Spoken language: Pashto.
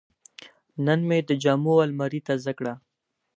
نن مې د جامو الماري تازه کړه.